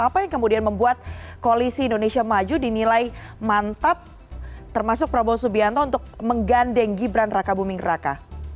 apa yang kemudian membuat koalisi indonesia maju dinilai mantap termasuk prabowo subianto untuk menggandeng gibran raka buming raka